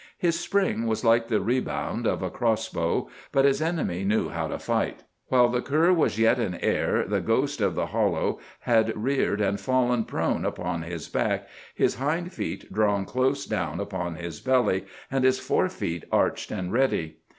His spring was like the rebound of a cross bow, but his enemy knew how to fight. While the cur was yet in air the ghost of the hollow had reared and fallen prone upon his back, his hind feet drawn close down upon his belly, and his fore feet arched and ready.